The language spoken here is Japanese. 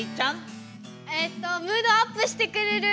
えっとムードアップしてくれる！